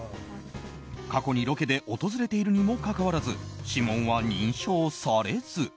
過去にロケで訪れているにもかかわらず指紋は認証されず。